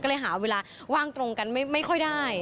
ก็เลยหาเวลาว่างตรงกันไม่ค่อยได้